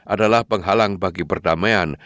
adalah penghalang bagi perdamaian